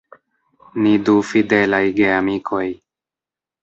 Ni du fidelaj geamikoj.